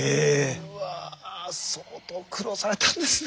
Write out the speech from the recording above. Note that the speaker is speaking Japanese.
うわぁ相当苦労されたんですね。